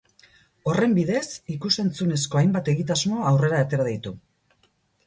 Horren bidez, ikus-entzunezko hainbat egitasmo aurrera atera ditu.